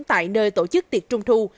tại nơi tổ chức tiệc trung thu